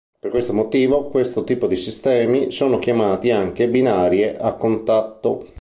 Per questo motivo questo tipo di sistemi sono chiamati anche binarie a contatto.